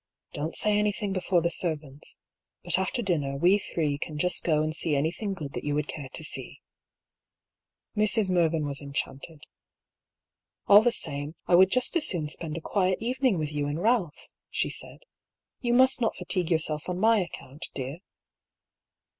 " Don't say any thing before the servants — but after dinner, we three can just go and see anything good that you would care to see." Mrs. Mervyn was enchanted. " All the same, I would just as soon spend a quiet evening with you and Balph," she said. " You must not fatigue yourself on my account, dear."